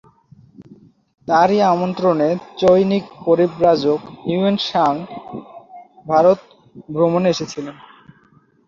তারই আমন্ত্রণে চৈনিক পরিব্রাজক Hiuen Tsang Bharat ভ্রমণে এসেছিলেন।